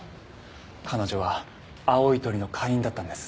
彼女は青い鳥の会員だったんです。